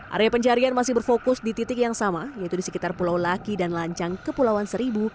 area pencarian masih berfokus di titik yang sama yaitu di sekitar pulau laki dan lancang kepulauan seribu